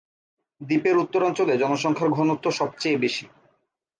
দ্বীপের উত্তরাঞ্চলে জনসংখ্যার ঘনত্ব সবচেয়ে বেশি।